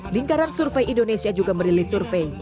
lingkaran survei indonesia juga merilis survei